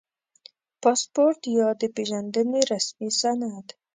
• پاسپورټ یا د پېژندنې رسمي سند